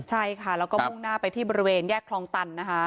ใช่ค่ะแล้วก็มุ่งหน้าไปที่บริเวณแยกคลองตันนะคะ